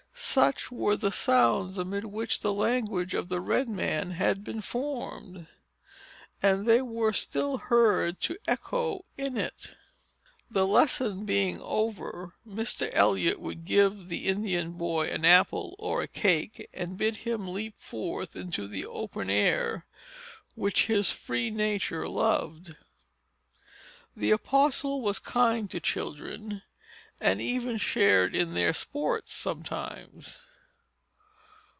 Such were the sounds amid which the language of the red man had been formed; and they were still heard to echo in it. The lesson being over, Mr. Eliot would give the Indian boy an apple or a cake, and bid him leap forth into the open air, which his free nature loved. The apostle was kind to children, and even shared in their sports, sometimes.